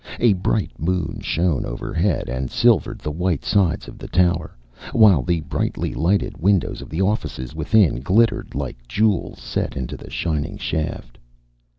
A bright moon shone overhead and silvered the white sides of the tower, while the brightly lighted windows of the offices within glittered like jewels set into the shining shaft.